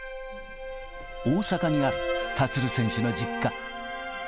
大阪にある立選手の実家。